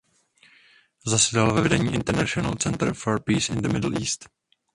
Zasedal ve vedení International Center for Peace in the Middle East.